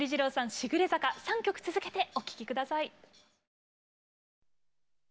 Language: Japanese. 「しぐれ坂」３曲続けてお聴き下さい。